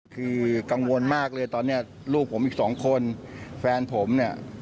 คือกังวลมากเลยตอนนี้ลูกผมอีกสองคนแฟนผมเนี่ย